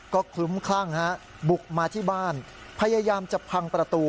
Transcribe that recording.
ก็คลุ้มคลั่งฮะบุกมาที่บ้านพยายามจะพังประตู